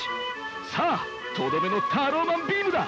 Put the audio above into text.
さあとどめのタローマンビームだ！